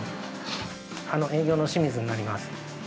営業の清水になります。